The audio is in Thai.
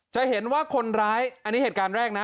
จะเห็นว่าคนร้ายอันนี้เหตุการณ์แรกนะ